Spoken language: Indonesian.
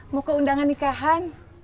mau ke undangan nikahan